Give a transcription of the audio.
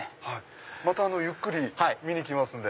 またゆっくり見に来ますんで。